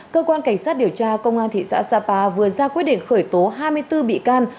cơ quan cảnh sát điều tra công an thị xã sapa vừa ra quyết định khởi tố hai mươi bốn bị can